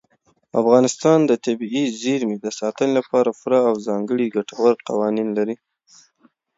افغانستان د طبیعي زیرمې د ساتنې لپاره پوره او ځانګړي ګټور قوانین لري.